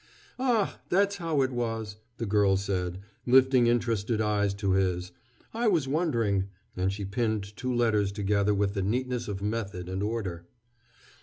"Ah, that's how it was," the girl said, lifting interested eyes to his. "I was wondering," and she pinned two letters together with the neatness of method and order.